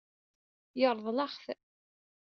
Yeṛḍel-aɣ-t.